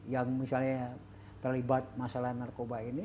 yang misalnya terlibat masalah narkoba ini